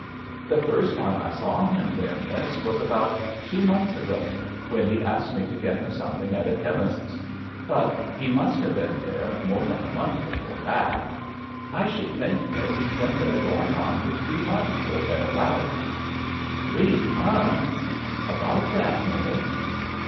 "The first time I saw him there, miss, was about two months ago, when he asked me to get him something at a chemist's; but he must have been there more than a month before that. I should think, miss, he's been there going on for three months or thereabouts." "Three months!" "About that, miss."